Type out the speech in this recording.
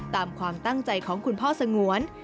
ตามความตั้งใจของคุณพ่อสงวน